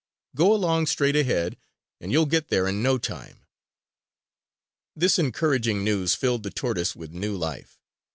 Go along straight ahead; and you'll get there in no time!" This encouraging news filled the tortoise with new life.